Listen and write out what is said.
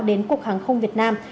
đến cục hàng không việt nam